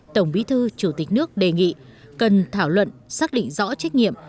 tổng bí thư chủ tịch nước đề nghị cần thảo luận xác định rõ trách nhiệm